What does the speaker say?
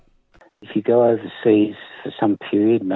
jika anda pergi ke luar negeri untuk sebagian periode